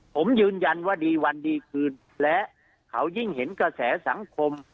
ผมยืนยันว่าดีวันดีคืนและเขายิ่งเห็นกระแสสังคม